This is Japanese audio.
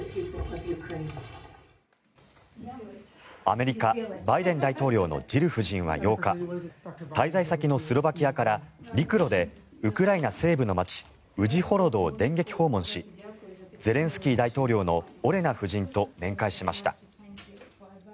アメリカバイデン大統領のジル夫人は８日滞在先のスロバキアから陸路でウクライナ西部の街ウジホロドを電撃訪問しゼレンスキー大統領のオレナ夫人と面会しました。